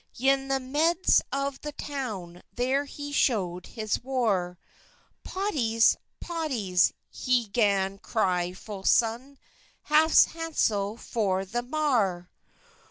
Yn the medys of the towne, Ther he schowed hes war; "Pottys! pottys!" he gan crey foll sone, "Haffe hansell for the mar."